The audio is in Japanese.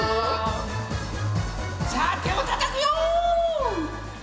さあてをたたくよ！